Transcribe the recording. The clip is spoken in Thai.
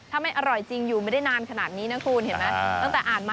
ถ้าไม่อร่อยจริงอยู่ไม่ได้นานขนาดนี้นะคุณเห็นไหม